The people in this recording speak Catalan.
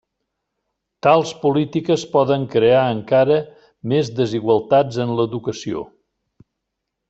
Tals polítiques poden crear encara més desigualtats en l'educació.